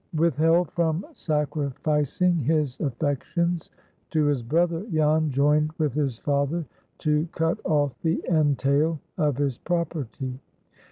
Withheld from sacrificing his affections to his brother, Jan joined with his father to cut off the entail of his property.